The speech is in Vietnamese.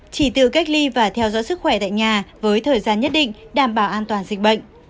chỉ tự cách ly và theo dõi sức khỏe tại nhà với thời gian nhất định đảm bảo an toàn dịch bệnh